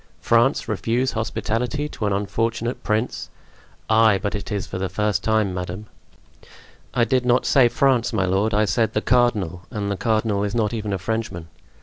France refuse hospitality to an unfortunate prince? Ay, but it is for the first time, madame!" "I did not say France, my lord; I said the cardinal, and the cardinal is not even a Frenchman."